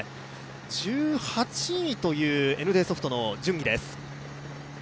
１８位というＮＤソフトの順位です。